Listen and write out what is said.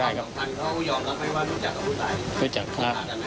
เขายอมแล้วไม่ว่ารู้จักกับผู้ตายรู้จักกันไหมครับ